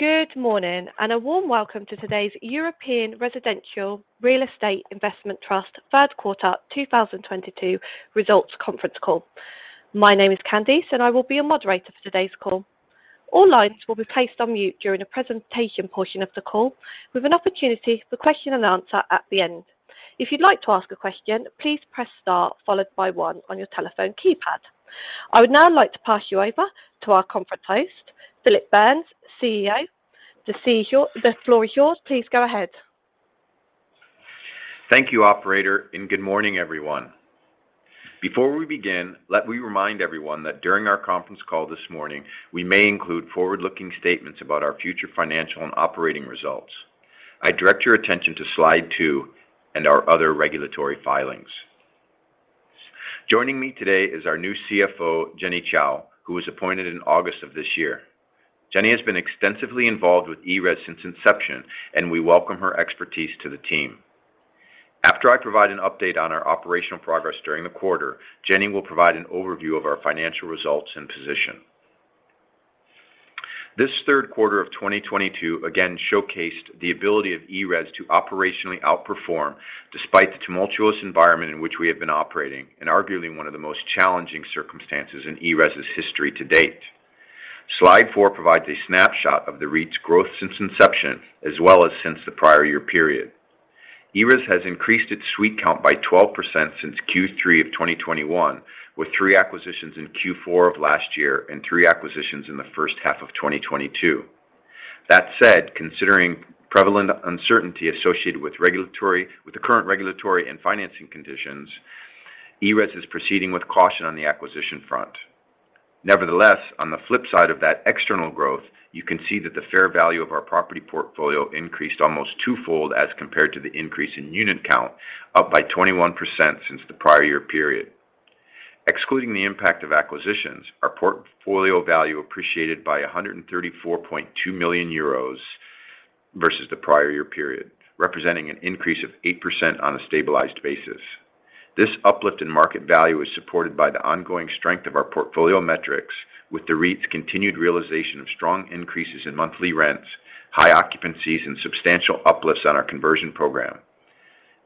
Good morning, and a warm welcome to today's European Residential Real Estate Investment Trust third quarter 2022 results conference call. My name is Candice, and I will be your moderator for today's call. All lines will be placed on mute during the presentation portion of the call, with an opportunity for question and answer at the end. If you'd like to ask a question, please press star followed by one on your telephone keypad. I would now like to pass you over to our conference host, Philip Burns, CEO. The floor is yours. Please go ahead. Thank you, operator, and good morning, everyone. Before we begin, let me remind everyone that during our conference call this morning, we may include forward-looking statements about our future financial and operating results. I direct your attention to slide 2 and our other regulatory filings. Joining me today is our new CFO, Jenny Chou, who was appointed in August of this year. Jenny has been extensively involved with ERES since inception, and we welcome her expertise to the team. After I provide an update on our operational progress during the quarter, Jenny will provide an overview of our financial results and position. This third quarter of 2022 again showcased the ability of ERES to operationally outperform despite the tumultuous environment in which we have been operating, in arguably one of the most challenging circumstances in ERES's history to date. Slide four provides a snapshot of the REIT's growth since inception, as well as since the prior year period. ERES has increased its suite count by 12% since Q3 of 2021, with three acquisitions in Q4 of last year and three acquisitions in the first half of 2022. That said, considering prevalent uncertainty associated with the current regulatory and financing conditions, ERES is proceeding with caution on the acquisition front. Nevertheless, on the flip side of that external growth, you can see that the fair value of our property portfolio increased almost twofold as compared to the increase in unit count, up by 21% since the prior year period. Excluding the impact of acquisitions, our portfolio value appreciated by 134.2 million euros versus the prior year period, representing an increase of 8% on a stabilized basis. This uplift in market value is supported by the ongoing strength of our portfolio metrics with the REIT's continued realization of strong increases in monthly rents, high occupancies, and substantial uplifts on our conversion program.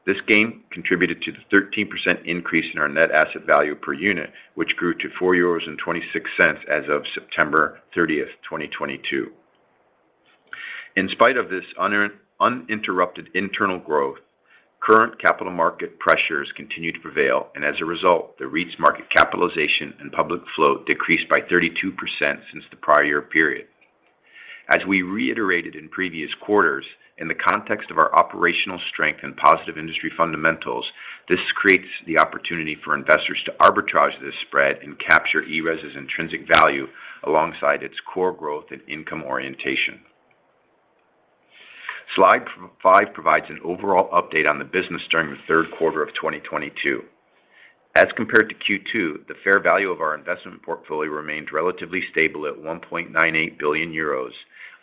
This gain contributed to the 13% increase in our net asset value per unit, which grew to 4.26 euros as of September 30, 2022. In spite of this uninterrupted internal growth, current capital market pressures continue to prevail, and as a result, the REIT's market capitalization and public float decreased by 32% since the prior year period. As we reiterated in previous quarters, in the context of our operational strength and positive industry fundamentals, this creates the opportunity for investors to arbitrage this spread and capture ERES's intrinsic value alongside its core growth and income orientation. Slide five provides an overall update on the business during the third quarter of 2022. As compared to Q2, the fair value of our investment portfolio remained relatively stable at 1.98 billion euros,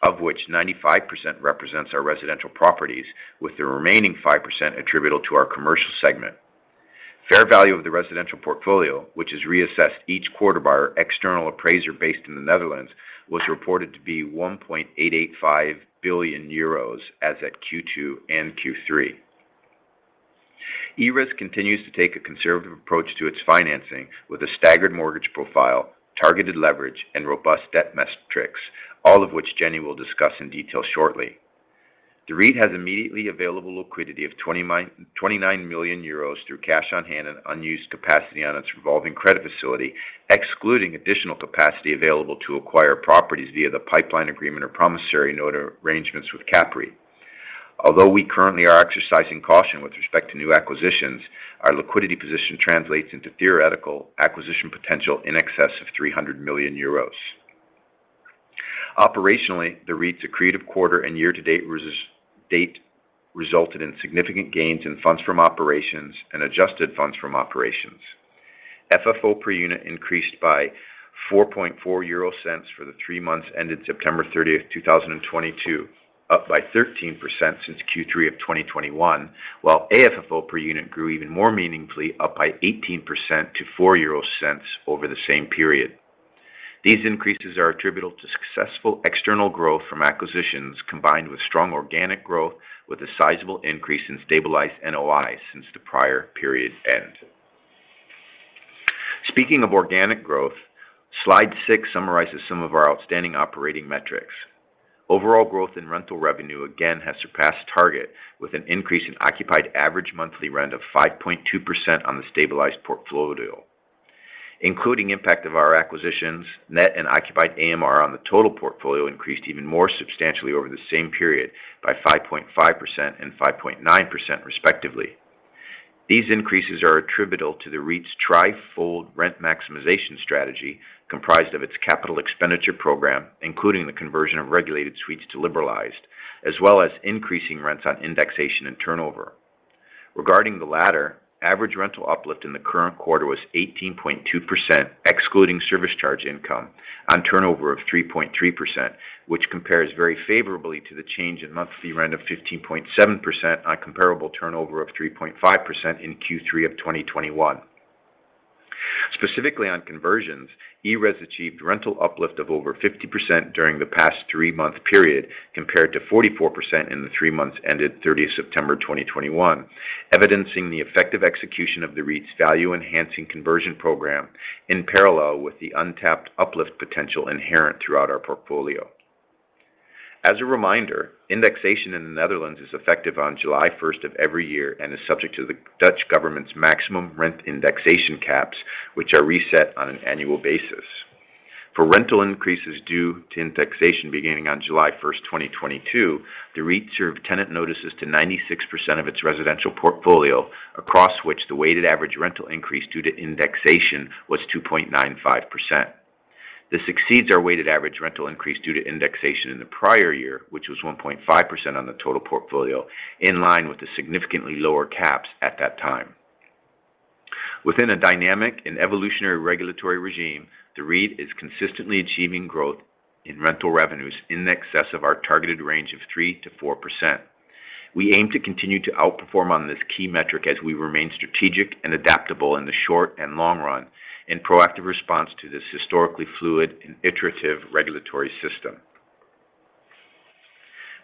of which 95% represents our residential properties, with the remaining 5% attributable to our commercial segment. Fair value of the residential portfolio, which is reassessed each quarter by our external appraiser based in the Netherlands, was reported to be 1.885 billion euros as at Q2 and Q3. ERES continues to take a conservative approach to its financing with a staggered mortgage profile, targeted leverage, and robust debt metrics, all of which Jenny will discuss in detail shortly. The REIT has immediately available liquidity of 29 million euros through cash on hand and unused capacity on its revolving credit facility, excluding additional capacity available to acquire properties via the pipeline agreement or promissory note arrangements with CAPREIT. Although we currently are exercising caution with respect to new acquisitions, our liquidity position translates into theoretical acquisition potential in excess of 300 million euros. Operationally, the REIT's accretive quarter and year-to-date results resulted in significant gains in funds from operations and adjusted funds from operations. FFO per unit increased by €0.044 for the three months ended September 30, 2022, up 13% since Q3 of 2021, while AFFO per unit grew even more meaningfully, up 18% to €0.04 over the same period. These increases are attributable to successful external growth from acquisitions combined with strong organic growth with a sizable increase in stabilized NOIs since the prior period end. Speaking of organic growth, slide 6 summarizes some of our outstanding operating metrics. Overall growth in rental revenue again has surpassed target, with an increase in occupied average monthly rent of 5.2% on the stabilized portfolio. Including impact of our acquisitions, net and occupied AMR on the total portfolio increased even more substantially over the same period by 5.5% and 5.9% respectively. These increases are attributable to the REIT's tri-fold rent maximization strategy comprised of its capital expenditure program, including the conversion of regulated suites to liberalized, as well as increasing rents on indexation and turnover. Regarding the latter, average rental uplift in the current quarter was 18.2%, excluding service charge income, on turnover of 3.3%, which compares very favorably to the change in monthly rent of 15.7% on comparable turnover of 3.5% in Q3 of 2021. Specifically on conversions, ERES achieved rental uplift of over 50% during the past three-month period, compared to 44% in the three months ended 30 September 2021, evidencing the effective execution of the REIT's value-enhancing conversion program in parallel with the untapped uplift potential inherent throughout our portfolio. As a reminder, indexation in the Netherlands is effective on July 1 of every year and is subject to the Dutch government's maximum rent indexation caps, which are reset on an annual basis. For rental increases due to indexation beginning on July 1, 2022, the REIT served tenant notices to 96% of its residential portfolio, across which the weighted average rental increase due to indexation was 2.95%. This exceeds our weighted average rental increase due to indexation in the prior year, which was 1.5% on the total portfolio, in line with the significantly lower caps at that time. Within a dynamic and evolutionary regulatory regime, the REIT is consistently achieving growth in rental revenues in excess of our targeted range of 3%-4%. We aim to continue to outperform on this key metric as we remain strategic and adaptable in the short and long run in proactive response to this historically fluid and iterative regulatory system.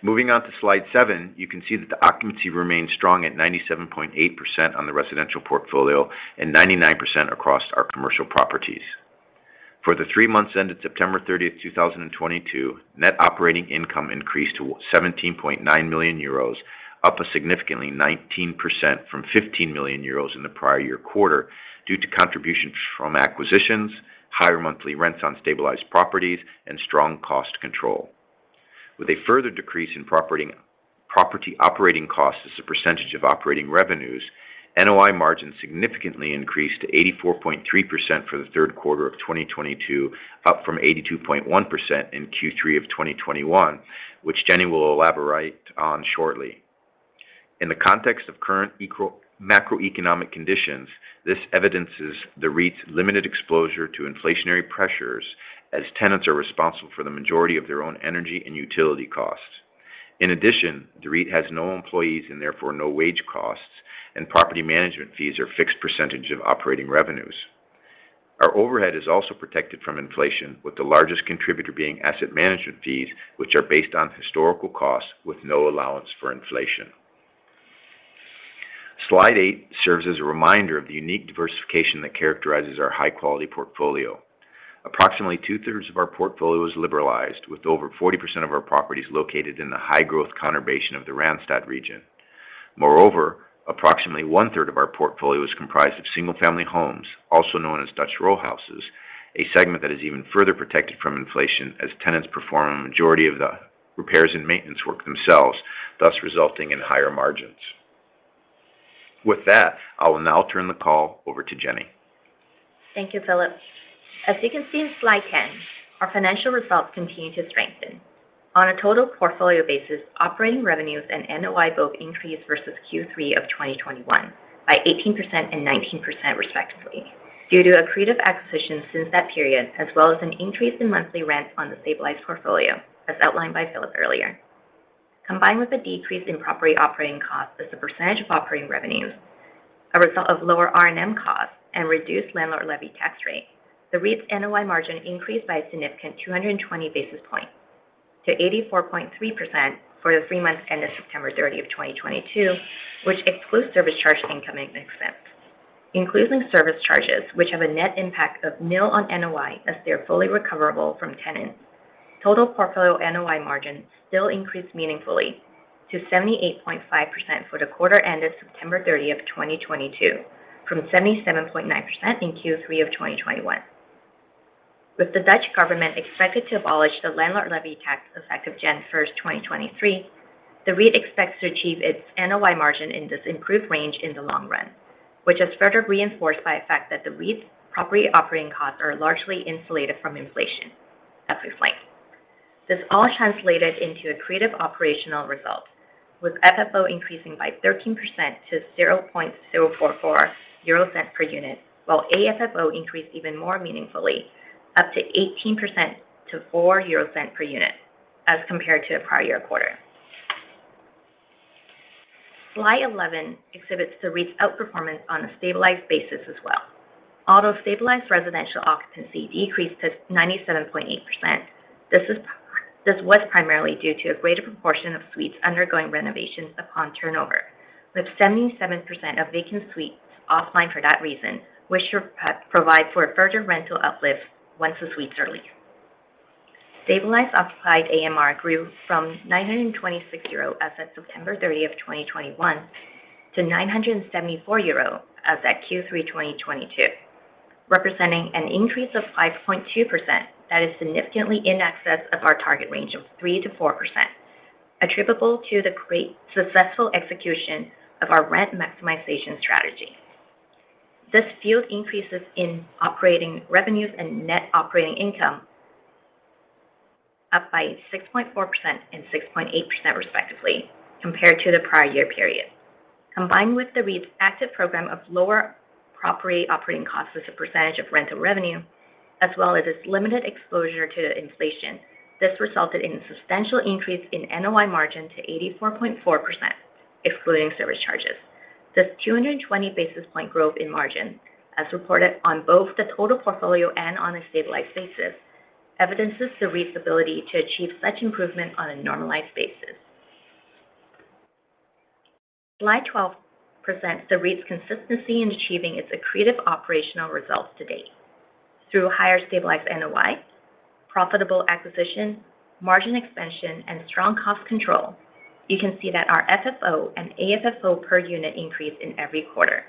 Moving on to slide seven, you can see that the occupancy remains strong at 97.8% on the residential portfolio and 99% across our commercial properties. For the three months ended September 30, 2022, net operating income increased to 17.9 million euros, up significantly 19% from 15 million euros in the prior year quarter due to contributions from acquisitions, higher monthly rents on stabilized properties, and strong cost control. With a further decrease in property operating costs as a percentage of operating revenues, NOI margins significantly increased to 84.3% for the third quarter of 2022, up from 82.1% in Q3 of 2021, which Jenny will elaborate on shortly. In the context of current macroeconomic conditions, this evidences the REIT's limited exposure to inflationary pressures as tenants are responsible for the majority of their own energy and utility costs. In addition, the REIT has no employees and therefore no wage costs, and property management fees are a fixed percentage of operating revenues. Our overhead is also protected from inflation, with the largest contributor being asset management fees, which are based on historical costs with no allowance for inflation. Slide 8 serves as a reminder of the unique diversification that characterizes our high-quality portfolio. Approximately two-thirds of our portfolio is liberalized, with over 40% of our properties located in the high-growth conurbation of the Randstad region. Moreover, approximately 1/3 of our portfolio is comprised of single-family homes, also known as Dutch row houses, a segment that is even further protected from inflation as tenants perform a majority of the repairs and maintenance work themselves, thus resulting in higher margins. With that, I will now turn the call over to Jenny. Thank you, Phillip. As you can see on slide 10, our financial results continue to strengthen. On a total portfolio basis, operating revenues and NOI both increased versus Q3 of 2021 by 18% and 19% respectively due to accretive acquisitions since that period, as well as an increase in monthly rent on the stabilized portfolio, as outlined by Phillip earlier. Combined with a decrease in property operating costs as a percentage of operating revenues, a result of lower R&M costs and reduced landlord levy tax rate, the REIT's NOI margin increased by a significant 220 basis points to 84.3% for the three months ended September 30 of 2022, which excludes service charge income and expense. Including service charges, which have a net impact of nil on NOI as they are fully recoverable from tenants, total portfolio NOI margin still increased meaningfully to 78.5% for the quarter ended September 30, 2022, from 77.9% in Q3 of 2021. With the Dutch government expected to abolish the landlord levy tax effective January 1, 2023, the REIT expects to achieve its NOI margin in this improved range in the long run, which is further reinforced by the fact that the REIT's property operating costs are largely insulated from inflation, as we explained. This all translated into accretive operational results, with FFO increasing by 13% to 0.044 euro cent per unit, while AFFO increased even more meaningfully, up 18% to 4 euro cent per unit as compared to the prior year quarter. Slide 11 exhibits the REIT's outperformance on a stabilized basis as well. Although stabilized residential occupancy decreased to 97.8%, this was primarily due to a greater proportion of suites undergoing renovations upon turnover, with 77% of vacant suites offline for that reason, which should provide for further rental uplift once the suites are leased. Stabilized occupied AMR grew from 926 euro as of September 30, 2021, to 974 euro as at Q3 2022, representing an increase of 5.2% that is significantly in excess of our target range of 3%-4%, attributable to the great successful execution of our rent maximization strategy. This fueled increases in operating revenues and net operating income, up by 6.4% and 6.8% respectively, compared to the prior year period. Combined with the REIT's active program of lower property operating costs as a percentage of rental revenue, as well as its limited exposure to inflation, this resulted in a substantial increase in NOI margin to 84.4% excluding service charges. This 220 basis point growth in margin, as reported on both the total portfolio and on a stabilized basis, evidences the REIT's ability to achieve such improvement on a normalized basis. Slide 12 presents the REIT's consistency in achieving its accretive operational results to date through higher stabilized NOI, profitable acquisition, margin expansion, and strong cost control. You can see that our FFO and AFFO per unit increased in every quarter.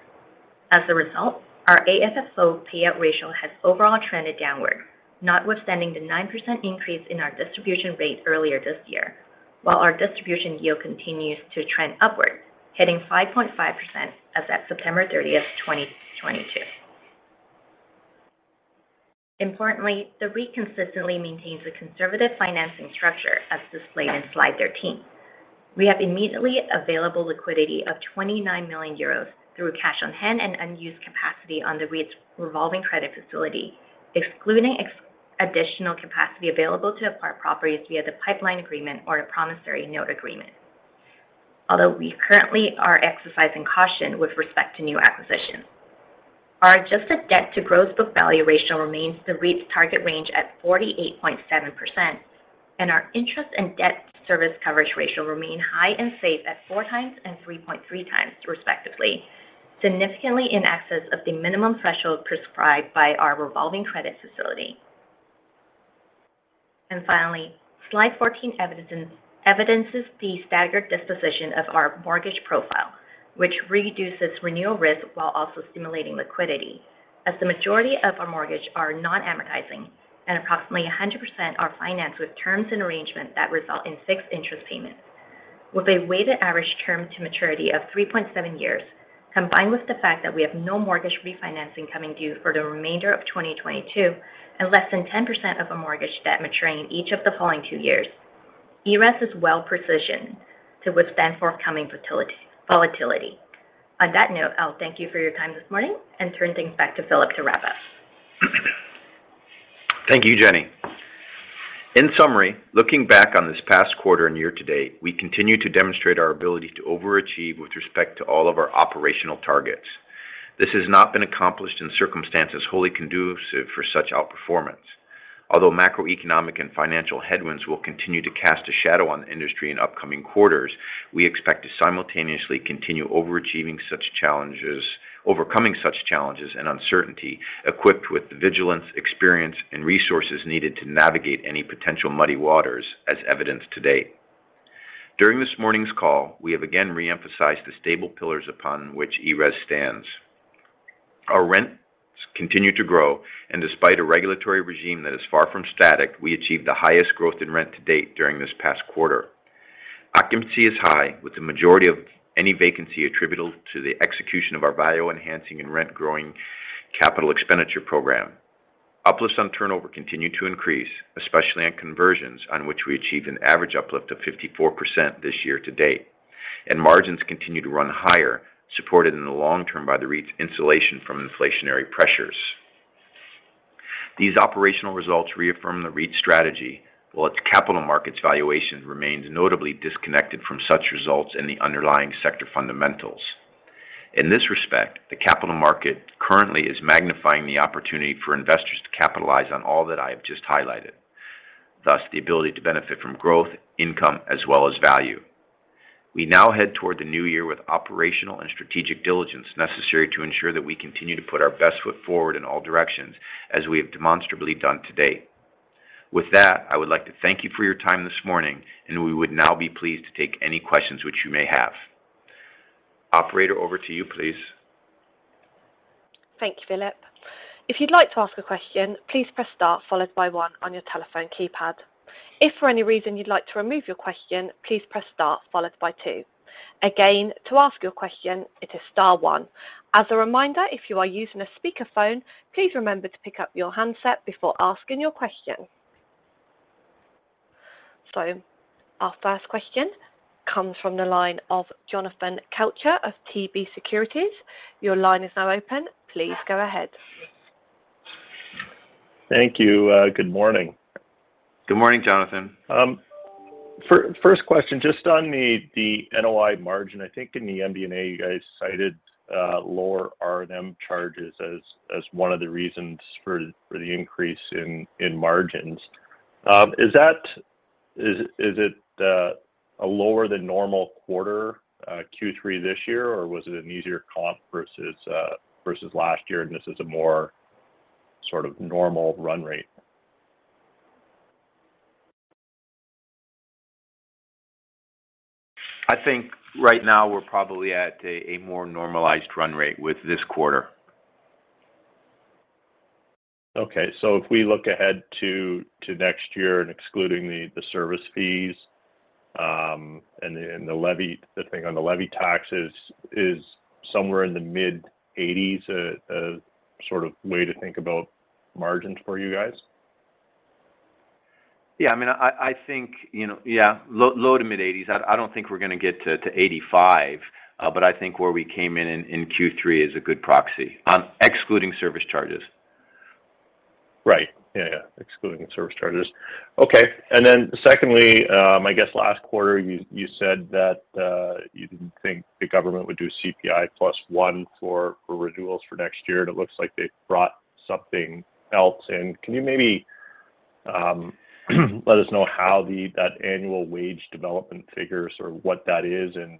As a result, our AFFO payout ratio has overall trended downward, notwithstanding the 9% increase in our distribution rate earlier this year, while our distribution yield continues to trend upward, hitting 5.5% as at September 30, 2022. Importantly, the REIT consistently maintains a conservative financing structure, as displayed in slide 13. We have immediately available liquidity of 29 million euros through cash on hand and unused capacity on the REIT's revolving credit facility, excluding additional capacity available to acquire properties via the pipeline agreement or a promissory note agreement. Although we currently are exercising caution with respect to new acquisitions. Our adjusted debt to gross book value ratio remains the REIT's target range at 48.7%, and our interest and debt service coverage ratio remain high and safe at 4 times and 3.3 times respectively, significantly in excess of the minimum threshold prescribed by our revolving credit facility. Finally, slide 14 evidences the staggered disposition of our mortgage profile, which reduces renewal risk while also stimulating liquidity. As the majority of our mortgage are non-amortizing and approximately 100% are financed with terms and arrangement that result in fixed interest payments. With a weighted average term to maturity of 3.7 years, combined with the fact that we have no mortgage refinancing coming due for the remainder of 2022 and less than 10% of a mortgage debt maturing in each of the following two years, ERES is well positioned to withstand forthcoming volatility. On that note, I'll thank you for your time this morning and turn things back to Philip to wrap up. Thank you, Jenny. In summary, looking back on this past quarter and year to date, we continue to demonstrate our ability to overachieve with respect to all of our operational targets. This has not been accomplished in circumstances wholly conducive for such outperformance. Although macroeconomic and financial headwinds will continue to cast a shadow on the industry in upcoming quarters, we expect to simultaneously continue overcoming such challenges and uncertainty equipped with the vigilance, experience, and resources needed to navigate any potential muddy waters as evidenced to date. During this morning's call, we have again reemphasized the stable pillars upon which ERES stands. Our rents continue to grow, and despite a regulatory regime that is far from static, we achieved the highest growth in rent to date during this past quarter. Occupancy is high, with the majority of any vacancy attributable to the execution of our value-enhancing and rent-growing capital expenditure program. Uplifts on turnover continue to increase, especially on conversions, on which we achieved an average uplift of 54% this year to date. Margins continue to run higher, supported in the long term by the REIT's insulation from inflationary pressures. These operational results reaffirm the REIT's strategy, while its capital markets valuation remains notably disconnected from such results in the underlying sector fundamentals. In this respect, the capital market currently is magnifying the opportunity for investors to capitalize on all that I have just highlighted, thus the ability to benefit from growth, income, as well as value. We now head toward the new year with operational and strategic diligence necessary to ensure that we continue to put our best foot forward in all directions as we have demonstrably done to date. With that, I would like to thank you for your time this morning, and we would now be pleased to take any questions which you may have. Operator, over to you, please. Thank you, Phillip. If you'd like to ask a question, please press star followed by one on your telephone keypad. If for any reason you'd like to remove your question, please press star followed by two. Again, to ask your question, it is star one. As a reminder, if you are using a speakerphone, please remember to pick up your handset before asking your question. Our first question comes from the line of Jonathan Kelcher of TD Securities. Your line is now open. Please go ahead. Thank you. Good morning. Good morning, Jonathan. First question, just on the NOI margin. I think in the MD&A, you guys cited lower R&M charges as one of the reasons for the increase in margins. Is it a lower than normal quarter, Q3 this year, or was it an easier comp versus last year, and this is a more sort of normal run rate? I think right now we're probably at a more normalized run rate with this quarter. Okay. If we look ahead to next year and excluding the service fees, and then the levy, the thing on the levy taxes is somewhere in the mid-80s%, sort of way to think about margins for you guys? Yeah, I mean, I think, you know, yeah, low to mid-80s%. I don't think we're gonna get to 85%, but I think where we came in in Q3 is a good proxy. Excluding service charges. Right. Yeah, yeah. Excluding service charges. Okay. Secondly, I guess last quarter you said that you didn't think the government would do CPI plus one for renewals for next year, and it looks like they've brought something else in. Can you maybe let us know how that annual wage development figure, sort of what that is and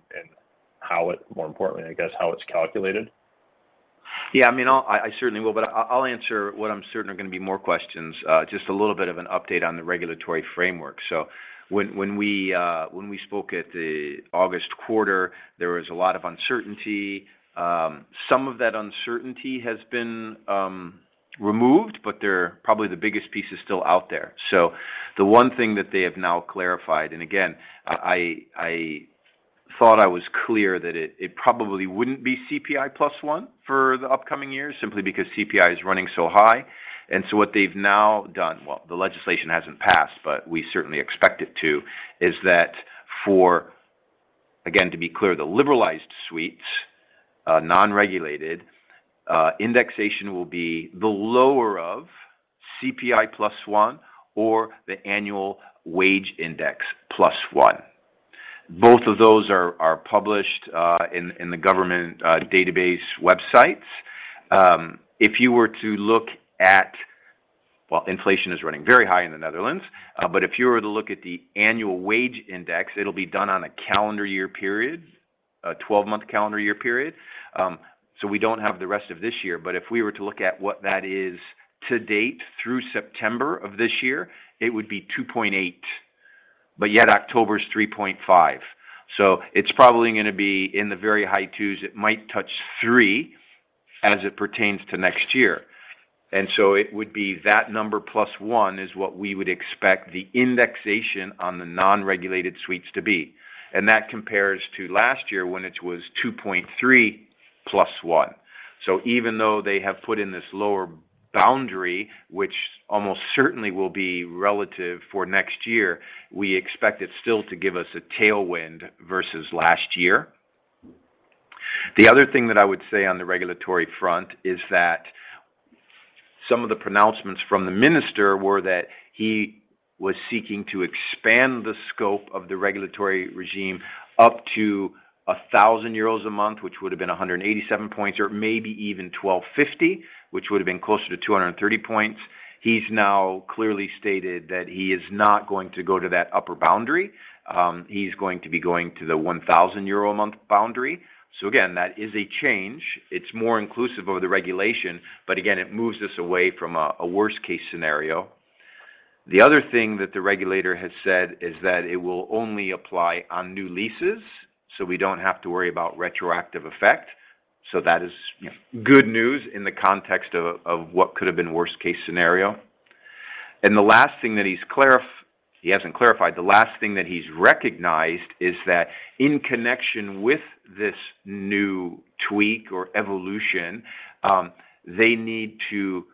how it more importantly, I guess, how it's calculated? I mean, I certainly will, but I'll answer what I'm certain are gonna be more questions. Just a little bit of an update on the regulatory framework. When we spoke at the August quarter, there was a lot of uncertainty. Some of that uncertainty has been removed, but there, probably the biggest piece, is still out there. The one thing that they have now clarified, and again, I thought I was clear that it probably wouldn't be CPI plus one for the upcoming years, simply because CPI is running so high. What they've now done, well, the legislation hasn't passed, but we certainly expect it to, is that for, again, to be clear, the liberalized suites, non-regulated, indexation will be the lower of CPI +1% or the annual wage index +1%. Both of those are published in the government database websites. Inflation is running very high in the Netherlands, but if you were to look at the annual wage index, it'll be done on a calendar year period, a 12-month calendar year period. We don't have the rest of this year, but if we were to look at what that is to date through September of this year, it would be 2.8%, but yet October is 3.5%. It's probably gonna be in the very high twos. It might touch 3 as it pertains to next year. It would be that number plus one is what we would expect the indexation on the non-regulated suites to be. That compares to last year when it was 2.3 plus one. Even though they have put in this lower boundary, which almost certainly will be relevant for next year, we expect it still to give us a tailwind versus last year. The other thing that I would say on the regulatory front is that some of the pronouncements from the minister were that he was seeking to expand the scope of the regulatory regime up to 1,000 euros a month, which would have been 187 points, or maybe even 1,250, which would have been closer to 230 points. He's now clearly stated that he is not going to go to that upper boundary. He's going to be going to the 1,000 euro a month boundary. Again, that is a change. It's more inclusive of the regulation, but again, it moves us away from a worst case scenario. The other thing that the regulator has said is that it will only apply on new leases, so we don't have to worry about retroactive effect. That is good news in the context of what could have been worst case scenario. The last thing that he's recognized is that in connection with this new tweak or evolution, they need to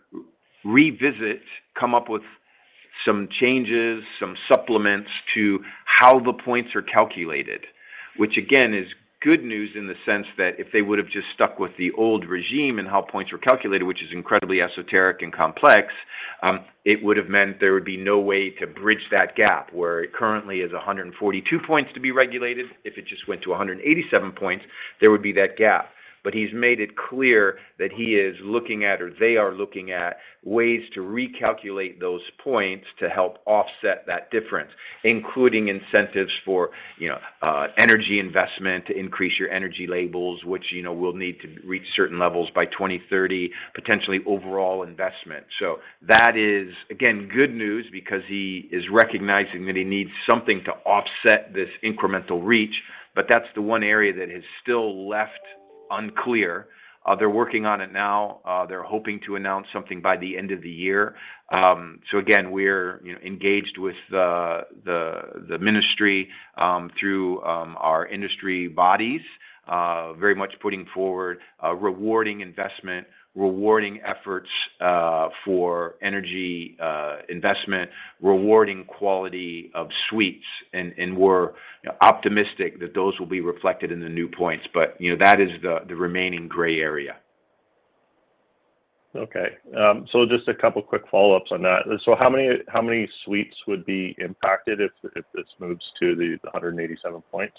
revisit, come up with some changes, some supplements to how the points are calculated. Which again, is good news in the sense that if they would have just stuck with the old regime and how points were calculated, which is incredibly esoteric and complex, it would have meant there would be no way to bridge that gap where it currently is 142 points to be regulated. If it just went to 187 points, there would be that gap. He's made it clear that he is looking at, or they are looking at ways to recalculate those points to help offset that difference, including incentives for, you know, energy investment to increase your energy labels, which, you know, will need to reach certain levels by 2030, potentially overall investment. That is, again, good news because he is recognizing that he needs something to offset this incremental reach, but that's the one area that is still left unclear. They're working on it now. They're hoping to announce something by the end of the year. We're, you know, engaged with the ministry through our industry bodies very much putting forward a rewarding investment, rewarding efforts for energy investment, rewarding quality of suites and we're optimistic that those will be reflected in the new points. you know, that is the remaining gray area. Okay. Just a couple of quick follow-ups on that. How many suites would be impacted if this moves to the 187 points?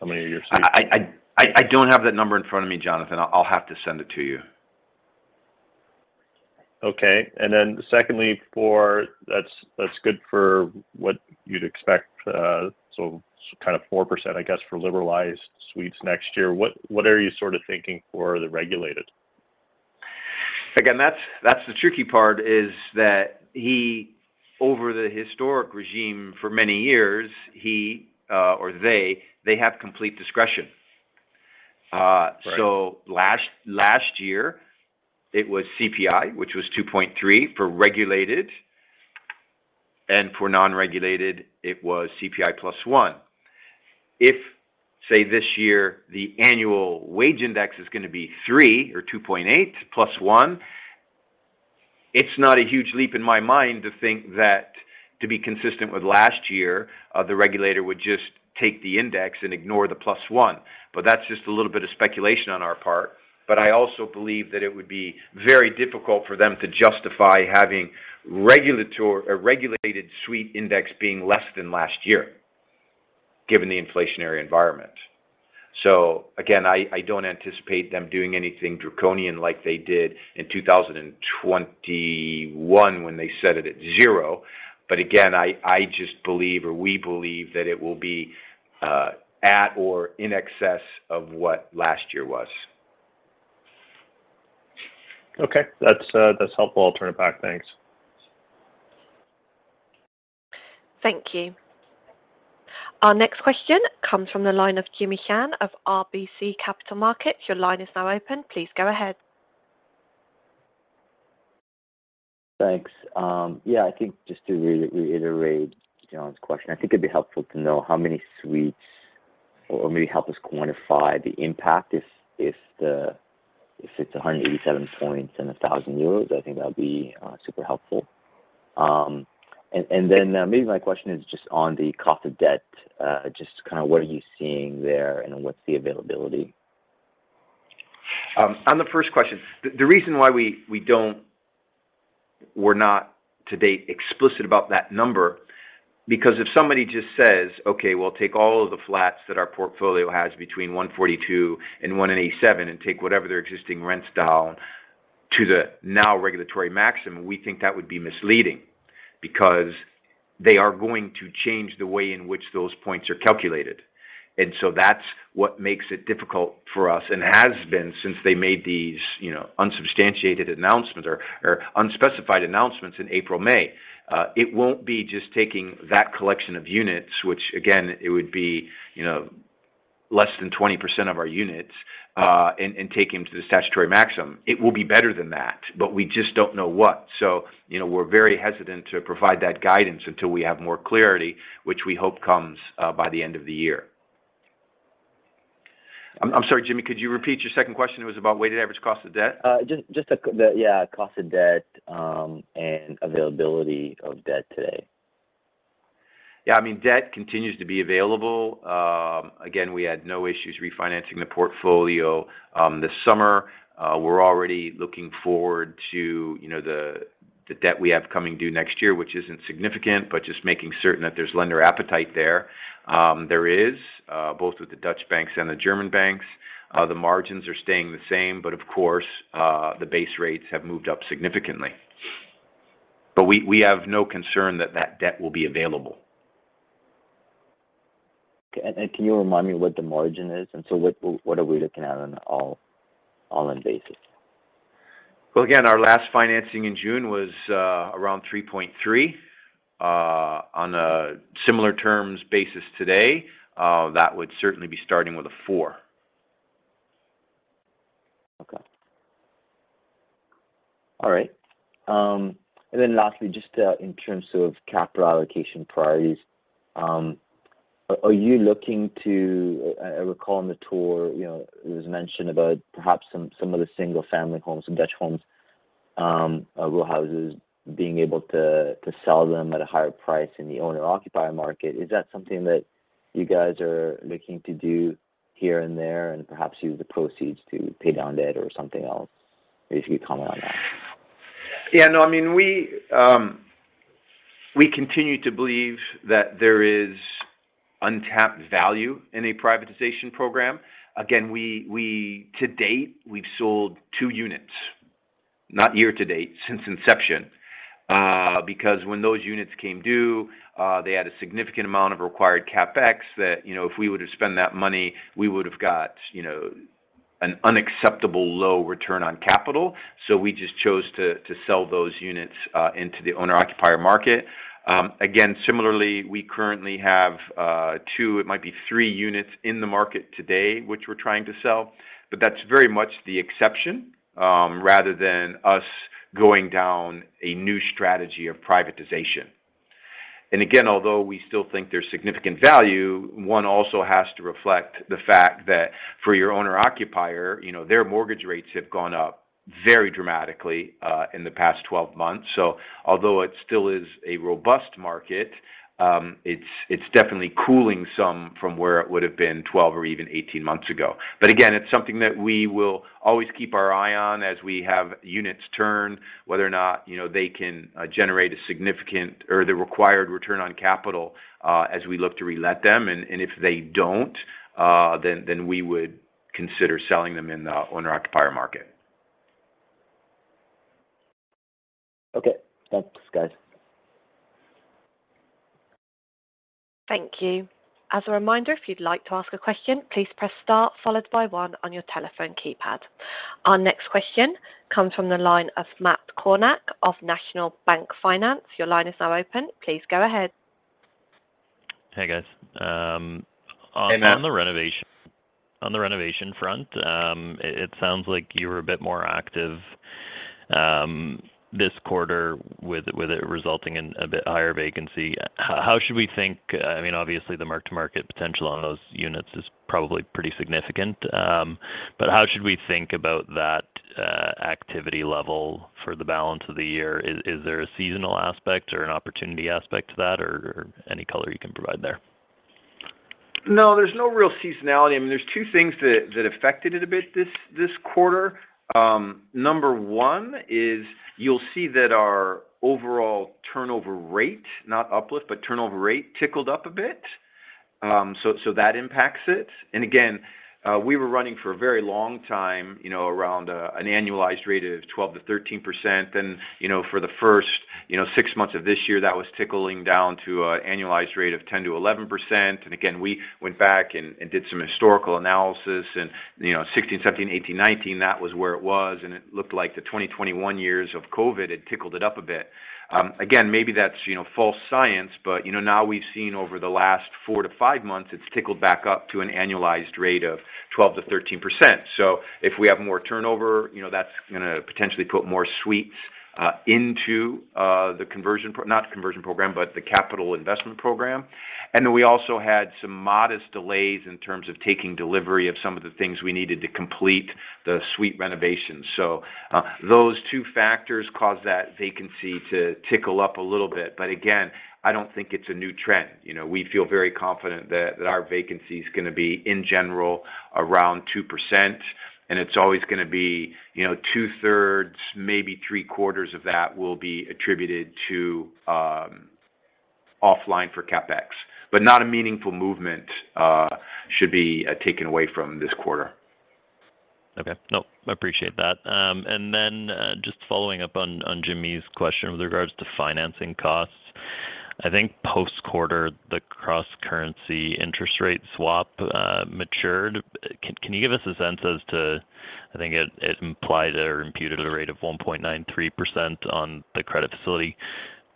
How many of your suites? I don't have that number in front of me, Jonathan. I'll have to send it to you. Okay. Secondly, that's good for what you'd expect, so kind of 4%, I guess, for liberalized suites next year. What are you sort of thinking for the regulated? Again, that's the tricky part is that over the historic regime for many years, they have complete discretion. Right. Last year it was CPI, which was 2.3 for regulated, and for non-regulated it was CPI plus one. If, say, this year, the annual wage index is gonna be 3 or 2.8 plus one, it's not a huge leap in my mind to think that to be consistent with last year, the regulator would just take the index and ignore the plus one. But that's just a little bit of speculation on our part. I also believe that it would be very difficult for them to justify having a regulated suite index being less than last year, given the inflationary environment. Again, I don't anticipate them doing anything draconian like they did in 2021 when they set it at 0. Again, I just believe, or we believe that it will be at or in excess of what last year was. Okay. That's helpful. I'll turn it back. Thanks. Thank you. Our next question comes from the line of Jimmy Shan of RBC Capital Markets. Your line is now open. Please go ahead. Thanks. I think just to reiterate John's question, I think it'd be helpful to know how many suites or maybe help us quantify the impact if it's 187 points and 1,000 euros. I think that'll be super helpful. Maybe my question is just on the cost of debt, just what are you seeing there and what's the availability? On the first question, the reason why we don't... we're not to date explicit about that number, because if somebody just says, "Okay, we'll take all of the flats that our portfolio has between 142 and 187, and take whatever their existing rents down to the now regulatory maximum," we think that would be misleading because they are going to change the way in which those points are calculated. That's what makes it difficult for us, and has been since they made these, you know, unsubstantiated announcements or unspecified announcements in April, May. It won't be just taking that collection of units, which again, it would be, you know, less than 20% of our units, and taking to the statutory maximum. It will be better than that, but we just don't know what. You know, we're very hesitant to provide that guidance until we have more clarity, which we hope comes by the end of the year. I'm sorry, Jimmy, could you repeat your second question? It was about weighted average cost of debt. Just cost of debt and availability of debt today. Yeah, I mean, debt continues to be available. Again, we had no issues refinancing the portfolio this summer. We're already looking forward to, you know, the debt we have coming due next year, which isn't significant, but just making certain that there's lender appetite there. There is both with the Dutch banks and the German banks. The margins are staying the same, but of course, the base rates have moved up significantly. We have no concern that that debt will be available. Can you remind me what the margin is? What are we looking at on an all-in basis? Well, again, our last financing in June was around 3.3%. On a similar terms basis today, that would certainly be starting with a 4%. Okay. All right. Then lastly, just, in terms of capital allocation priorities, I recall on the tour, you know, it was mentioned about perhaps some of the single-family homes and Dutch row houses being able to sell them at a higher price in the owner-occupier market. Is that something that you guys are looking to do here and there, and perhaps use the proceeds to pay down debt or something else? If you could comment on that. Yeah, no, I mean, we continue to believe that there is untapped value in a privatization program. Again, to date, we've sold two units, not year to date, since inception. Because when those units came due, they had a significant amount of required CapEx that, you know, if we were to spend that money, we would have got, you know, an unacceptable low return on capital. We just chose to sell those units into the owner-occupier market. Again, similarly, we currently have two, it might be three units in the market today, which we're trying to sell, but that's very much the exception rather than us going down a new strategy of privatization. Again, although we still think there's significant value, one also has to reflect the fact that for your owner-occupier, you know, their mortgage rates have gone up very dramatically in the past 12 months. Although it still is a robust market, it's definitely cooling some from where it would have been 12 or even 18 months ago. Again, it's something that we will always keep our eye on as we have units turn, whether or not, you know, they can generate a significant or the required return on capital as we look to relet them. If they don't, then we would consider selling them in the owner-occupier market. Okay. Thanks, guys. Thank you. As a reminder, if you'd like to ask a question, please press star followed by one on your telephone keypad. Our next question comes from the line of Matt Kornack of National Bank Financial. Your line is now open. Please go ahead. Hey, guys. Hey, Matt On the renovation front, it sounds like you were a bit more active this quarter with it resulting in a bit higher vacancy. How should we think, I mean, obviously, the mark-to-market potential on those units is probably pretty significant, but how should we think about that activity level for the balance of the year? Is there a seasonal aspect or an opportunity aspect to that or any color you can provide there? No, there's no real seasonality. I mean, there's two things that affected it a bit this quarter. Number one is you'll see that our overall turnover rate, not uplift, but turnover rate ticked up a bit. That impacts it. Again, we were running for a very long time, you know, around an annualized rate of 12%-13%. You know, for the first six months of this year, that was ticking down to an annualized rate of 10%-11%. Again, we went back and did some historical analysis and, you know, 2016, 2017, 2018, 2019, that was where it was, and it looked like the 2020, 2021 years of COVID had ticked it up a bit. Again, maybe that's a false sense, but now we've seen over the last 4-5 months, it's ticked back up to an annualized rate of 12%-13%. If we have more turnover, that's gonna potentially put more suites into the capital investment program. We also had some modest delays in terms of taking delivery of some of the things we needed to complete the suite renovations. Those two factors caused that vacancy to tick up a little bit. I don't think it's a new trend. We feel very confident that our vacancy is gonna be, in general, around 2%, and it's always gonna be two-thirds, maybe three-quarters of that will be attributed to offline for CapEx. Not a meaningful movement should be taken away from this quarter. Okay. Nope, I appreciate that. Just following up on Jimmy's question with regards to financing costs. I think post-quarter, the cross-currency interest rate swap matured. Can you give us a sense as to I think it implied or imputed at a rate of 1.93% on the credit facility.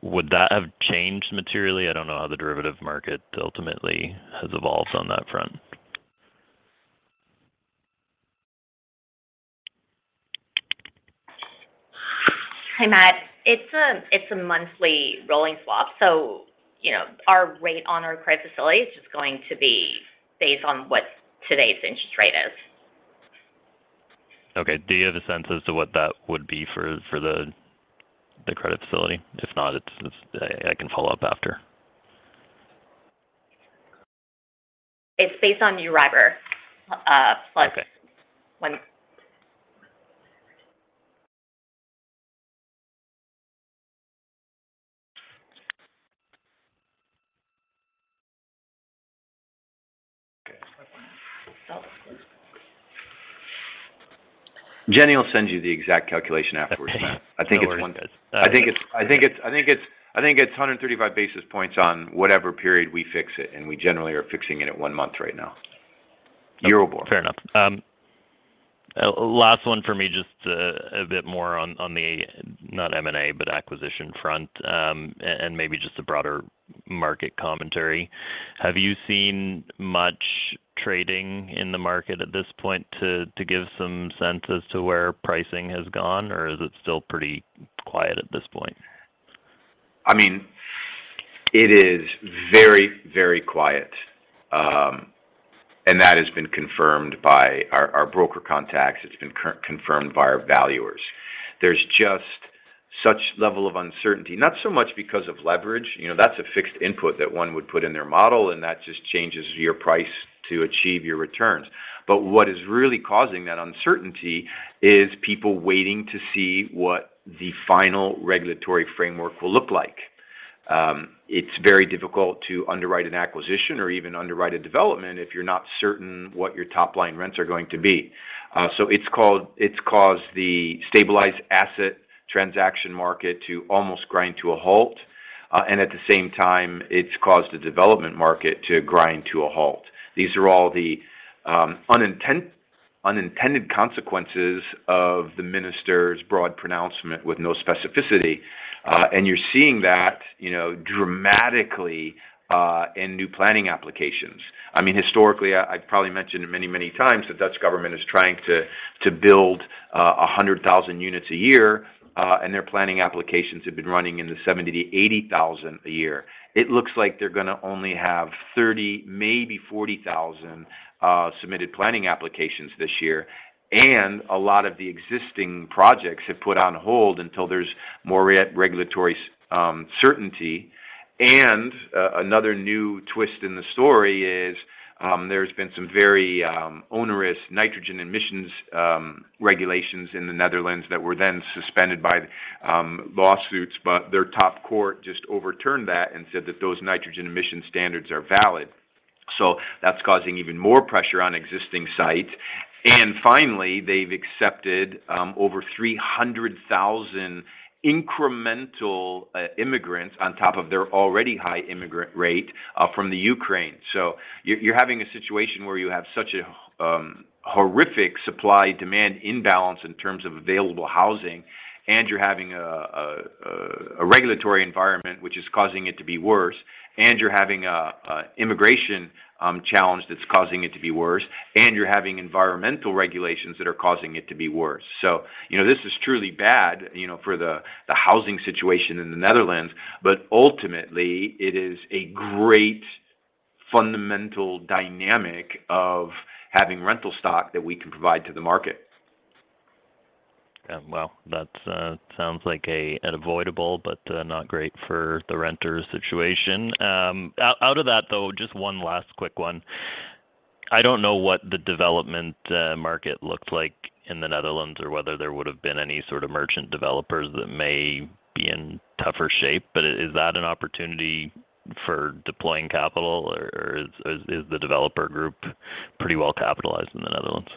Would that have changed materially? I don't know how the derivative market ultimately has evolved on that front. Hi, Matt. It's a monthly rolling swap, so, you know, our rate on our credit facility is just going to be based on what today's interest rate is. Okay. Do you have a sense as to what that would be for the credit facility? If not, it's, I can follow up after. It's based on EURIBOR. Okay... when- Jenny will send you the exact calculation afterwards, Matt. Okay. No worries, guys. I think it's 135 basis points on whatever period we fix it, and we generally are fixing it at one month right now. Year or more. Fair enough. Last one for me, just a bit more on the not M&A, but acquisition front, and maybe just a broader market commentary. Have you seen much trading in the market at this point to give some sense as to where pricing has gone, or is it still pretty quiet at this point? I mean, it is very, very quiet. That has been confirmed by our broker contacts. It's been confirmed by our valuers. There's just such level of uncertainty, not so much because of leverage. You know, that's a fixed input that one would put in their model, and that just changes your price to achieve your returns. What is really causing that uncertainty is people waiting to see what the final regulatory framework will look like. It's very difficult to underwrite an acquisition or even underwrite a development if you're not certain what your top-line rents are going to be. It's caused the stabilized asset transaction market to almost grind to a halt. At the same time, it's caused the development market to grind to a halt. These are all the unintended consequences of the minister's broad pronouncement with no specificity. You're seeing that, you know, dramatically in new planning applications. I mean, historically, I probably mentioned it many times that Dutch government is trying to build 100,000 units a year, and their planning applications have been running in the 70,000-80,000 a year. It looks like they're gonna only have 30,000, maybe 40,000 submitted planning applications this year. A lot of the existing projects have put on hold until there's more regulatory certainty. Another new twist in the story is, there's been some very onerous nitrogen emissions regulations in the Netherlands that were then suspended by lawsuits, but their top court just overturned that and said that those nitrogen emission standards are valid. That's causing even more pressure on existing sites. Finally, they've accepted over 300,000 incremental immigrants on top of their already high immigrant rate from Ukraine. You're having a situation where you have such a horrific supply demand imbalance in terms of available housing, and you're having a regulatory environment which is causing it to be worse, and you're having an immigration challenge that's causing it to be worse, and you're having environmental regulations that are causing it to be worse. you know, this is truly bad, you know, for the housing situation in the Netherlands, but ultimately, it is a great fundamental dynamic of having rental stock that we can provide to the market. Well, that sounds like an avoidable, but not great for the renter situation. Out of that, though, just one last quick one. I don't know what the development market looks like in the Netherlands or whether there would've been any sort of merchant developers that may be in tougher shape, but is that an opportunity for deploying capital, or is the developer group pretty well capitalized in the Netherlands?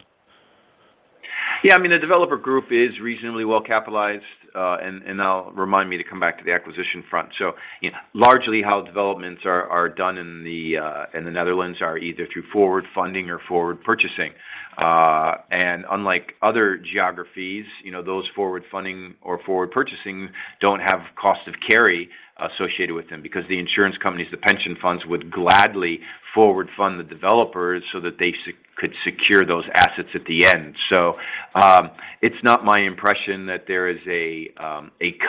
Yeah. I mean, the developer group is reasonably well capitalized, and now remind me to come back to the acquisition front. You know, largely how developments are done in the Netherlands are either through forward funding or forward purchase. Unlike other geographies, you know, those forward funding or forward purchase don't have cost of carry associated with them because the insurance companies, the pension funds would gladly forward fund the developers so that they could secure those assets at the end. It's not my impression that there is a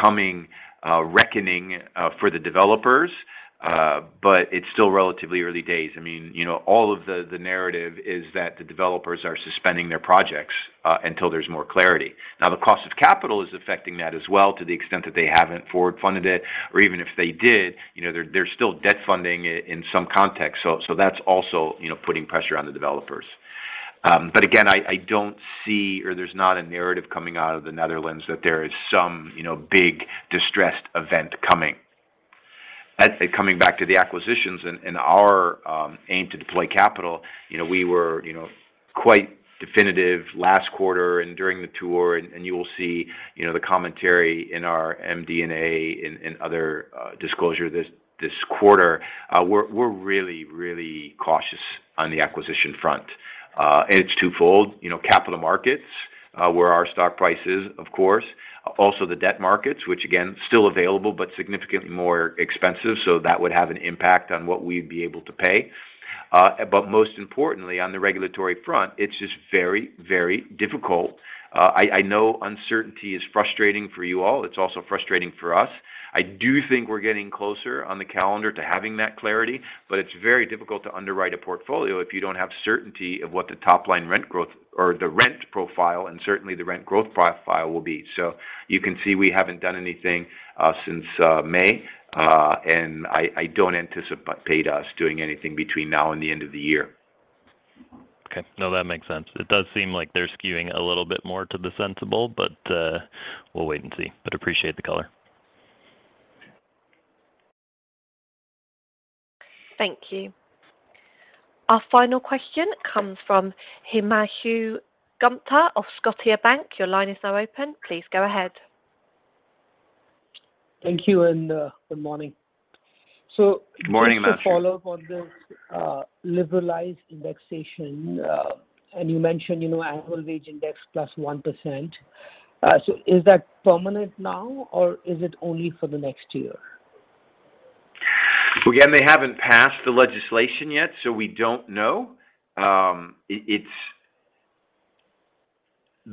coming reckoning for the developers, but it's still relatively early days. I mean, you know, all of the narrative is that the developers are suspending their projects until there's more clarity. Now, the cost of capital is affecting that as well to the extent that they haven't forward funded it or even if they did, you know, they're still debt funding in some context. That's also, you know, putting pressure on the developers. Again, I don't see or there's not a narrative coming out of the Netherlands that there is some, you know, big distressed event coming. Coming back to the acquisitions and our aim to deploy capital, you know, we were, you know, quite definitive last quarter and during the tour, and you will see, you know, the commentary in our MD&A in other disclosure this quarter. We're really cautious on the acquisition front. It's twofold. You know, capital markets where our stock price is, of course. Also the debt markets, which again, still available, but significantly more expensive, so that would have an impact on what we'd be able to pay. Most importantly, on the regulatory front, it's just very, very difficult. I know uncertainty is frustrating for you all. It's also frustrating for us. I do think we're getting closer on the calendar to having that clarity, but it's very difficult to underwrite a portfolio if you don't have certainty of what the top line rent growth or the rent profile and certainly the rent growth profile will be. You can see we haven't done anything since May, and I don't anticipate us doing anything between now and the end of the year. Okay. No, that makes sense. It does seem like they're skewing a little bit more to the sensible, but we'll wait and see, but appreciate the color. Thank you. Our final question comes from Himanshu Gupta of Scotiabank. Your line is now open. Please go ahead. Thank you, and, good morning. Morning, Himanshu. Just to follow up on this, liberalized indexation, and you mentioned, you know, annual wage index plus 1%. Is that permanent now, or is it only for the next year? Again, they haven't passed the legislation yet, so we don't know. The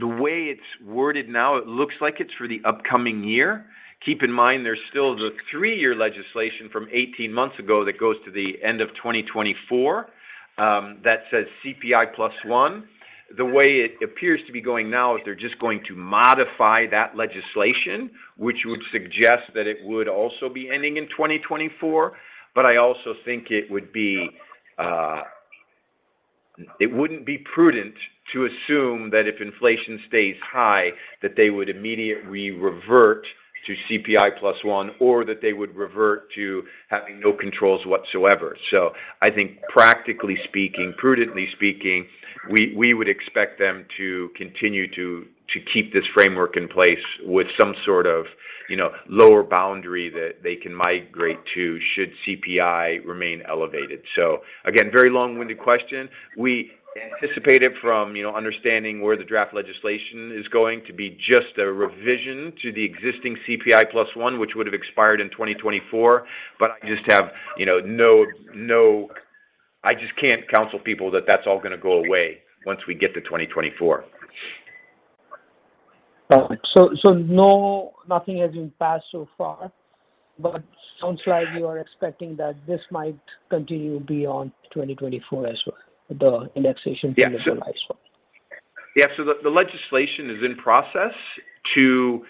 way it's worded now, it looks like it's for the upcoming year. Keep in mind there's still the three-year legislation from 18 months ago that goes to the end of 2024, that says CPI plus one. The way it appears to be going now is they're just going to modify that legislation, which would suggest that it would also be ending in 2024. I also think it wouldn't be prudent to assume that if inflation stays high, that they would immediately revert to CPI plus one or that they would revert to having no controls whatsoever. I think practically speaking, prudently speaking, we would expect them to continue to keep this framework in place with some sort of, you know, lower boundary that they can migrate to should CPI remain elevated. Again, very long-winded question. We anticipate it from, you know, understanding where the draft legislation is going to be just a revision to the existing CPI plus one, which would have expired in 2024. I just have, you know, I just can't counsel people that that's all gonna go away once we get to 2024. Nothing has been passed so far, but sounds like you are expecting that this might continue beyond 2024 as well, the indexation being liberalized for. Yeah. The legislation is in process to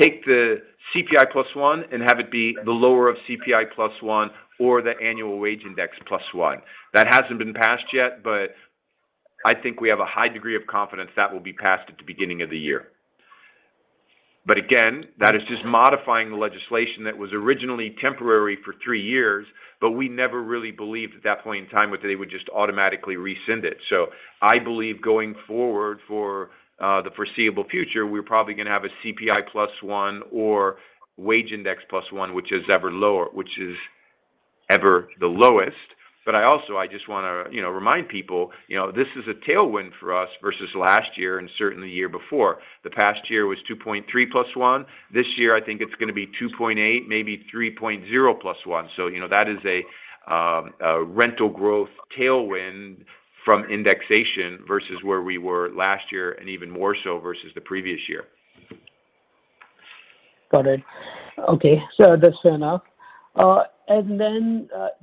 take the CPI plus one and have it be the lower of CPI plus one or the annual wage index plus one. That hasn't been passed yet, but I think we have a high degree of confidence that will be passed at the beginning of the year. Again, that is just modifying the legislation that was originally temporary for three years, but we never really believed at that point in time that they would just automatically rescind it. I believe going forward for the foreseeable future, we're probably gonna have a CPI plus one or wage index plus one, which is ever lower, the lowest. I also, I just wanna, you know, remind people, you know, this is a tailwind for us versus last year and certainly the year before. The past year was 2.3% +1%. This year, I think it's gonna be 2.8%, maybe 3.0% +1%. You know, that is a rental growth tailwind from indexation versus where we were last year, and even more so versus the previous year. Got it. Okay. That's fair enough.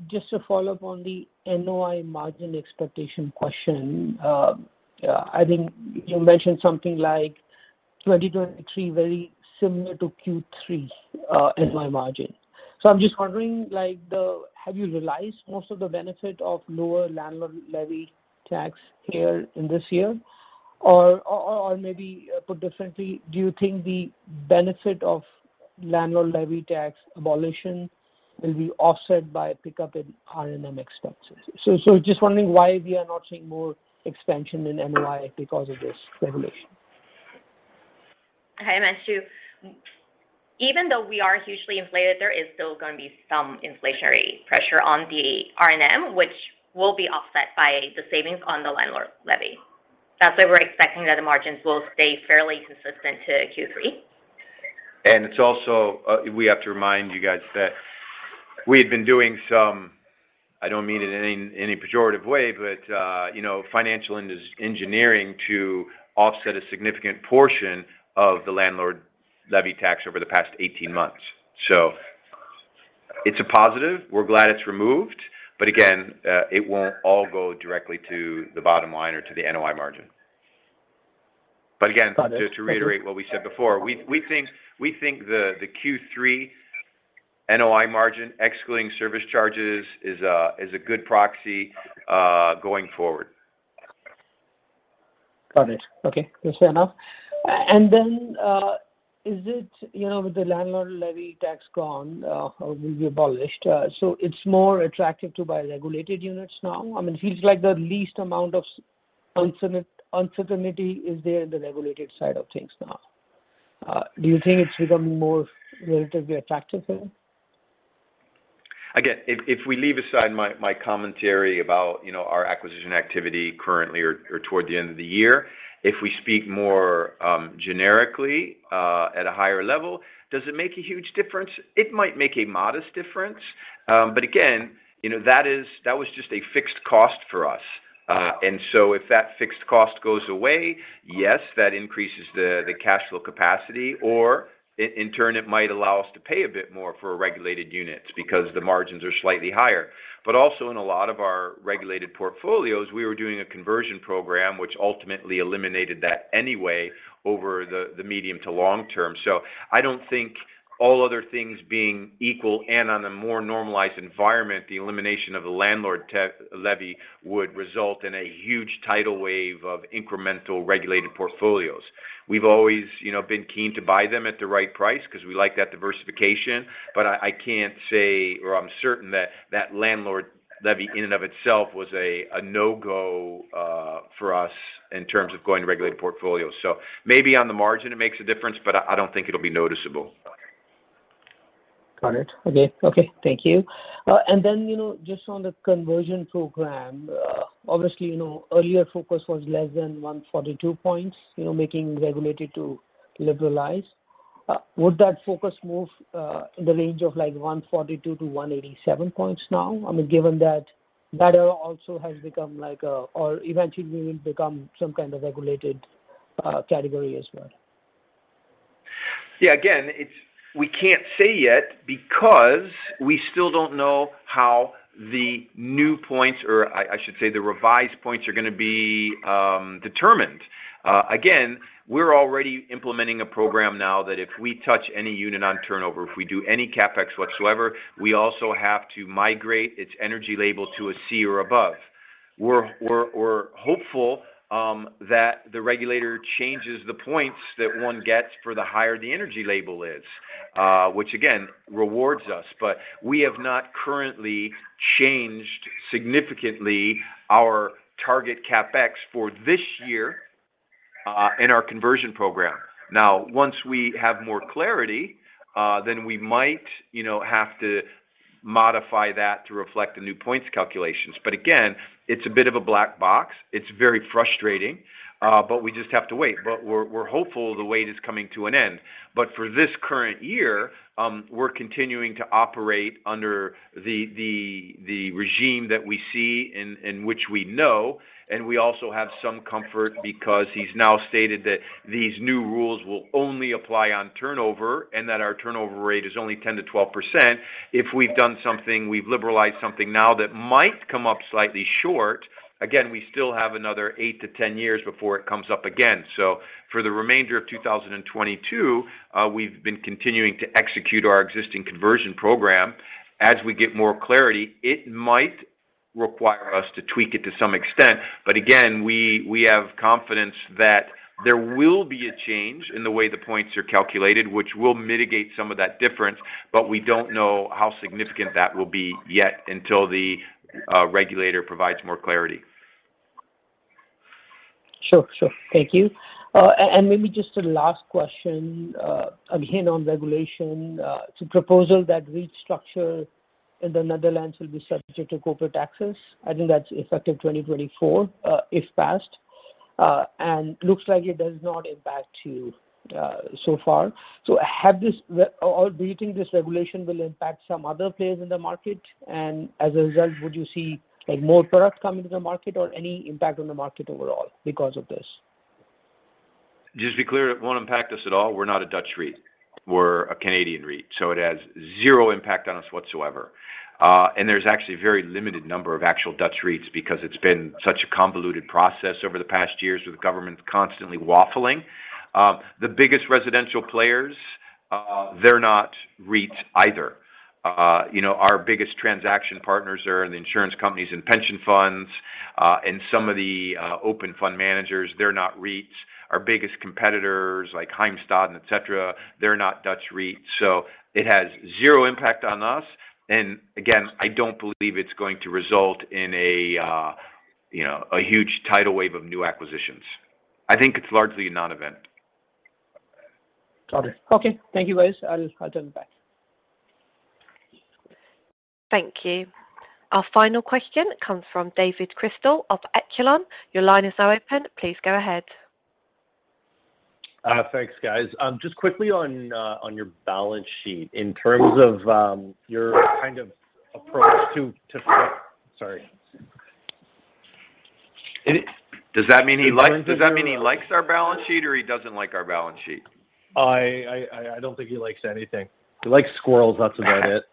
Just to follow up on the NOI margin expectation question. I think you mentioned something like 2023 very similar to Q3 NOI margin. I'm just wondering, have you realized most of the benefit of lower landlord levy tax here in this year? Or maybe, put differently, do you think the benefit of landlord levy tax abolition will be offset by a pickup in R&M expenses? Just wondering why we are not seeing more expansion in NOI because of this regulation. Hi, Himanshu. Even though we are hugely inflated, there is still gonna be some inflationary pressure on the R&M, which will be offset by the savings on the landlord levy. That's why we're expecting that the margins will stay fairly consistent to Q3. It's also, we have to remind you guys that we had been doing some, I don't mean it in any pejorative way, but, you know, financial engineering to offset a significant portion of the landlord levy tax over the past 18 months. It's a positive. We're glad it's removed, but again, it won't all go directly to the bottom line or to the NOI margin. Again, Got it. Just to reiterate what we said before, we think the Q3 NOI margin, excluding service charges, is a good proxy going forward. Got it. Okay. That's fair enough. Is it? You know, with the landlord levy tax gone, or will be abolished, so it's more attractive to buy regulated units now? I mean, it feels like the least amount of uncertainty is there in the regulated side of things now. Do you think it's become more relatively attractive then? Again, if we leave aside my commentary about, you know, our acquisition activity currently or toward the end of the year. If we speak more generically at a higher level, does it make a huge difference? It might make a modest difference. Again, you know, that was just a fixed cost for us. If that fixed cost goes away, yes, that increases the cash flow capacity, or in turn, it might allow us to pay a bit more for regulated units because the margins are slightly higher. But also in a lot of our regulated portfolios, we were doing a conversion program which ultimately eliminated that anyway over the medium to long term. I don't think all other things being equal and on a more normalized environment, the elimination of the landlord levy would result in a huge tidal wave of incremental regulated portfolios. We've always, you know, been keen to buy them at the right price because we like that diversification. I can't say or I'm certain that that landlord levy in and of itself was a no-go for us in terms of going to regulated portfolios. Maybe on the margin it makes a difference, but I don't think it'll be noticeable. Got it. Okay. Thank you. You know, just on the conversion program, obviously, you know, earlier focus was less than 142 points, you know, making regulated to liberalized. Would that focus move in the range of like 142-187 points now? I mean, given that that also has become like a or eventually will become some kind of regulated category as well. Yeah, again, it's we can't say yet because we still don't know how the new points or, I should say, the revised points are gonna be determined. Again, we're already implementing a program that if we touch any unit on turnover, if we do any CapEx whatsoever, we also have to migrate its energy label to a C or above. We're hopeful that the regulator changes the points that one gets for the higher the energy label is, which again, rewards us. We have not currently changed significantly our target CapEx for this year in our conversion program. Now, once we have more clarity, then we might, you know, have to modify that to reflect the new points calculations. Again, it's a bit of a black box. It's very frustrating, but we just have to wait. We're hopeful the wait is coming to an end. For this current year, we're continuing to operate under the regime that we see and which we know, and we also have some comfort because he's now stated that these new rules will only apply on turnover, and that our turnover rate is only 10%-12%. If we've done something, we've liberalized something now that might come up slightly short, again, we still have another 8-10 years before it comes up again. For the remainder of 2022, we've been continuing to execute our existing conversion program. As we get more clarity, it might require us to tweak it to some extent. Again, we have confidence that there will be a change in the way the points are calculated, which will mitigate some of that difference, but we don't know how significant that will be yet until the regulator provides more clarity. Sure, sure. Thank you. Maybe just a last question, again, on regulation. Proposal that REIT structure in the Netherlands will be subject to corporate taxes. I think that's effective 2024, if passed. Looks like it does not impact you, so far. Or do you think this regulation will impact some other players in the market? As a result, would you see, like, more product come into the market or any impact on the market overall because of this? Just to be clear, it won't impact us at all. We're not a Dutch REIT. We're a Canadian REIT, so it has zero impact on us whatsoever. There's actually a very limited number of actual Dutch REITs because it's been such a convoluted process over the past years with the government constantly waffling. The biggest residential players, they're not REITs either. You know, our biggest transaction partners are the insurance companies and pension funds, and some of the open fund managers, they're not REITs. Our biggest competitors, like Heimstaden, et cetera, they're not Dutch REITs. It has zero impact on us. I don't believe it's going to result in a you know, a huge tidal wave of new acquisitions. I think it's largely a non-event. Got it. Okay. Thank you, guys. I'll turn it back. Thank you. Our final question comes from David Chrystal of Echelon Capital Markets. Your line is now open. Please go ahead. Thanks, guys. Just quickly on your balance sheet. In terms of your kind of approach to. Sorry. Does that mean he likes our balance sheet or he doesn't like our balance sheet? I don't think he likes anything. He likes squirrels. That's about it.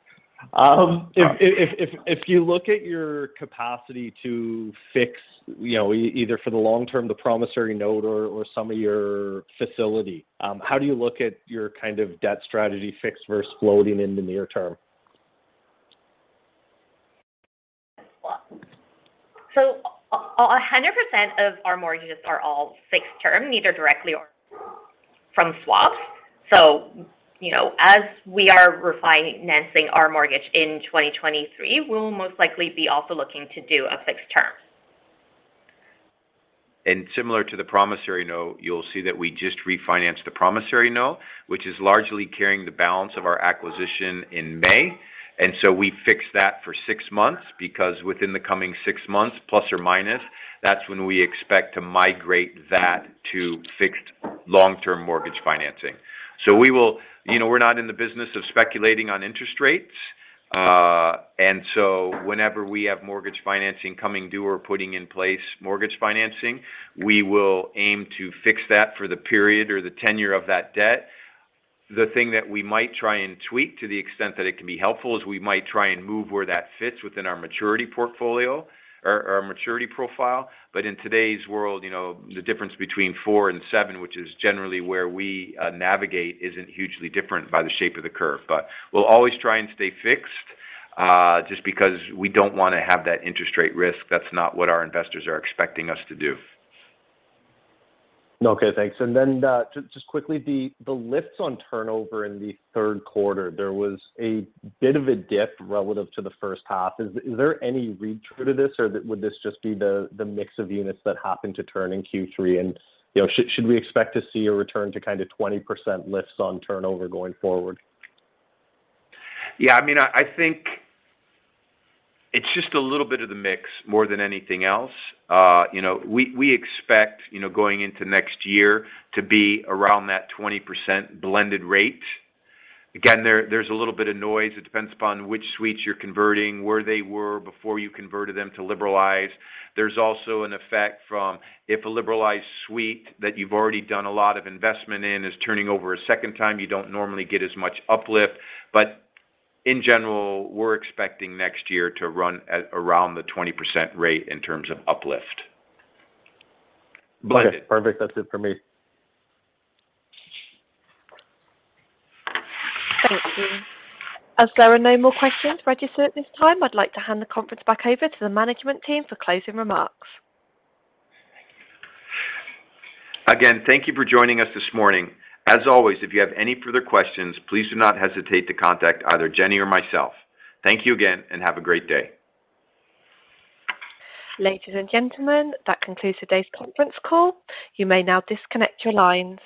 If you look at your capacity to fix, you know, either for the long term, the promissory note or some of your facility, how do you look at your kind of debt strategy fixed versus floating in the near term? 100% of our mortgages are all fixed-term, either directly or from swaps. You know, as we are refinancing our mortgage in 2023, we'll most likely be also looking to do a fixed term. Similar to the promissory note, you'll see that we just refinanced the promissory note, which is largely carrying the balance of our acquisition in May. We fixed that for six months because within the coming six months, plus or minus, that's when we expect to migrate that to fixed long-term mortgage financing. You know, we're not in the business of speculating on interest rates. Whenever we have mortgage financing coming due or putting in place mortgage financing, we will aim to fix that for the period or the tenure of that debt. The thing that we might try and tweak to the extent that it can be helpful is we might try and move where that fits within our maturity portfolio or our maturity profile. In today's world, you know, the difference between 4 and 7, which is generally where we navigate, isn't hugely different by the shape of the curve. We'll always try and stay fixed just because we don't wanna have that interest rate risk. That's not what our investors are expecting us to do. Okay, thanks. Just quickly, the lifts on turnover in the third quarter, there was a bit of a dip relative to the first half. Is there any read through to this, or would this just be the mix of units that happened to turn in Q3? You know, should we expect to see a return to kind of 20% lifts on turnover going forward? Yeah, I mean, I think it's just a little bit of the mix more than anything else. You know, we expect, you know, going into next year to be around that 20% blended rate. Again, there's a little bit of noise. It depends upon which suites you're converting, where they were before you converted them to liberalize. There's also an effect from if a liberalized suite that you've already done a lot of investment in is turning over a second time, you don't normally get as much uplift. In general, we're expecting next year to run at around the 20% rate in terms of uplift. Blended. Okay, perfect. That's it for me. Thank you. As there are no more questions registered at this time, I'd like to hand the conference back over to the management team for closing remarks. Again, thank you for joining us this morning. As always, if you have any further questions, please do not hesitate to contact either Jenny or myself. Thank you again, and have a great day. Ladies and gentlemen, that concludes today's conference call. You may now disconnect your lines.